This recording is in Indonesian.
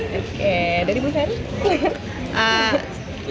oke dari ibu ferry